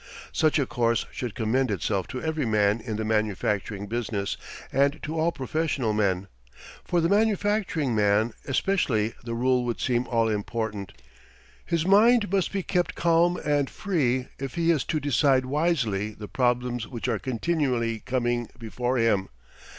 Such a course should commend itself to every man in the manufacturing business and to all professional men. For the manufacturing man especially the rule would seem all important. His mind must be kept calm and free if he is to decide wisely the problems which are continually coming before him.